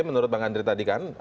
menurut bang andri tadi kan